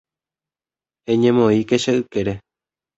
Eñemoĩke che ykére.